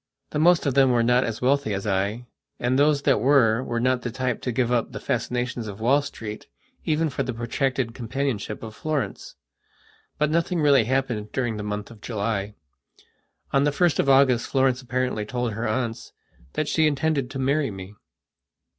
The most of them were not as wealthy as I, and those that were were not the type to give up the fascinations of Wall Street even for the protracted companionship of Florence. But nothing really happened during the month of July. On the 1st of August Florence apparently told her aunts that she intended to marry me.